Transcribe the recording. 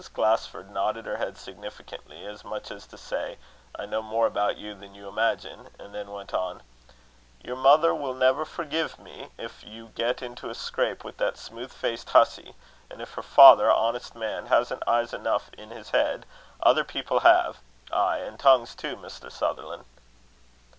Glasford nodded her head significantly, as much as to say, "I know more about you than you imagine," and then went on: "Your mother will never forgive me if you get into a scrape with that smooth faced hussy; and if her father, honest man hasn't eyes enough in his head, other people have ay, an' tongues too, Mr. Sutherland."